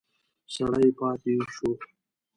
سړی پاتې شو.